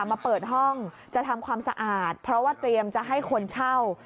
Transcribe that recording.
มาเปิดห้องจะทำความสะอาดเพราะว่าเตรียมจะให้คนเช่า